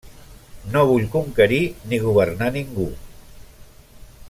No vull conquerir ni governar ningú.